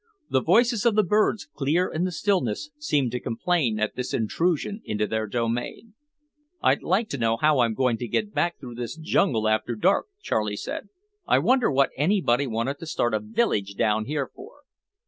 The voices of the birds, clear in the stillness, seemed to complain at this intrusion into their domain. "I'd like to know how I'm going to get back through this jungle after dark," Charlie said. "I wonder what anybody wanted to start a village down here for?"